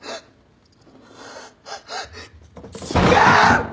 違う！